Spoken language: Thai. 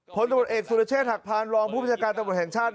ผลตำรวจเอกสุรเชษฐหักพานรองผู้บัญชาการตำรวจแห่งชาติ